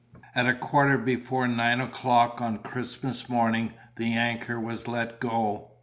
At a quarter before nine o'clock on Christmas morning the anchor was let go.